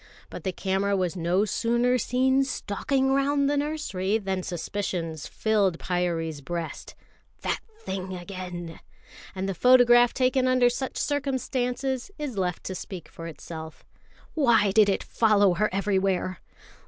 But the camera was no sooner seen stalking round to the nursery, than suspicions filled Pyârie's breast. That thing again! And the photograph taken under such circumstances is left to speak for itself. Why did it follow her everywhere?